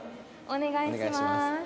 お願いします。